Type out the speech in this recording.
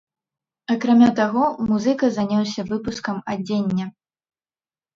Акрамя таго, музыка заняўся выпускам адзення.